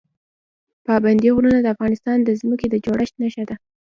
پابندی غرونه د افغانستان د ځمکې د جوړښت نښه ده.